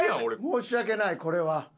申し訳ないこれは。